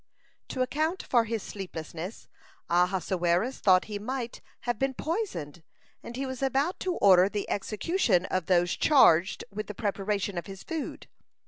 To account for his sleeplessness, Ahasuerus thought he might have been poisoned, and he was about to order the execution of those charged with the preparation of his food.